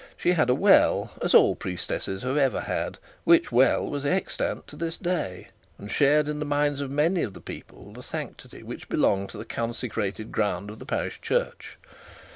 She had a well, as all priestesses have ever had, which well was extant to this day, and shared in the minds of many of the people the sanctity which belonged to the consecrated grounds of the parish church.